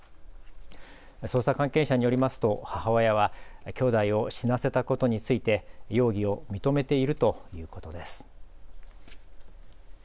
捜査関係者によりますと母親はきょうだいを死なせたことについて容疑を認めているということです。